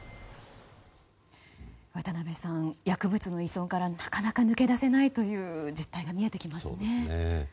渡辺さん薬物の依存からなかなか抜け出せない実態が見えてきますんべ。